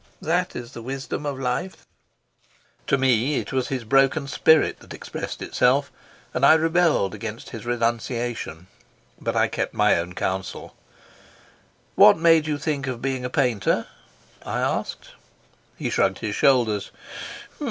That is the wisdom of life." To me it was his broken spirit that expressed itself, and I rebelled against his renunciation. But I kept my own counsel. "What made you think of being a painter?" I asked. He shrugged his shoulders.